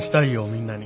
みんなに。